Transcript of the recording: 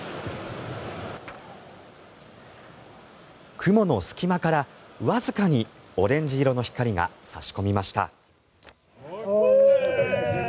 雲の隙間からわずかにオレンジ色の光が差し込みました。